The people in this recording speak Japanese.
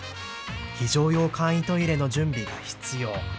非常用簡易トイレの準備が必要。